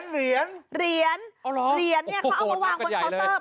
เหรียญเขาเอามาวางบนเคานเตอร์